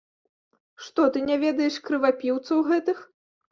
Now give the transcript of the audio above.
Што, ты не ведаеш крывапіўцаў гэтых?